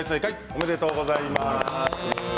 おめでとうございます。